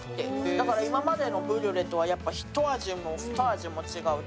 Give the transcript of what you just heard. だから今までのブリュレとはやっぱ一味も二味も違うっていうか。